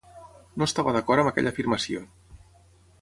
No estava d'acord amb aquella afirmació.